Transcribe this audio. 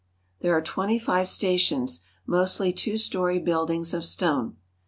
There are twenty five stations, mostly two story buildings of stone.